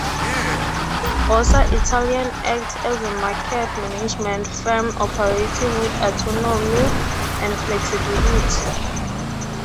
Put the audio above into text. Borsa Italiana acts as a market management firm operating with autonomy and flexibility.